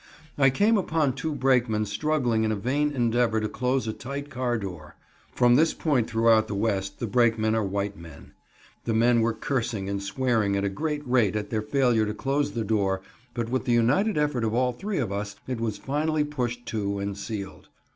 I came upon two brakemen struggling in a vain endeavor to close a tight car door. (From this point throughout the West the brakemen are white men.) The men were cursing and swearing at a great rate at their failure to close the door, but with the united effort of all three of us, it was finally pushed to and sealed.